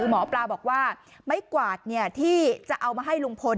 หมอปลาบอกว่าไม้กวาดที่จะเอามาให้ลุงพล